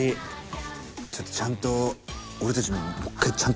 ちょっとちゃんと俺たちももう一回ちゃんと聞こう。